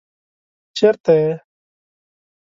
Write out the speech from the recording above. چېرته يې؟